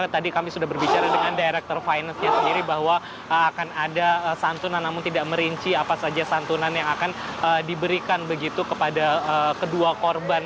tadi kami sudah berbicara dengan director finance nya sendiri bahwa akan ada santunan namun tidak merinci apa saja santunan yang akan diberikan begitu kepada kedua korban